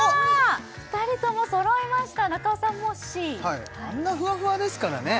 ２人ともそろいました中尾さんもＣあんなフワフワですからね